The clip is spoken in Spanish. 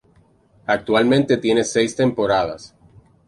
Actualmente tiene seis temporadas.